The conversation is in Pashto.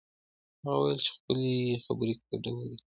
هغه وويل چي خبري ګټوري دي؟!